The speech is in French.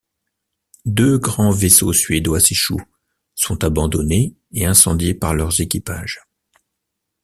Deux grands vaisseaux suédois s'échouent, sont abandonnés et incendiés par leurs équipages.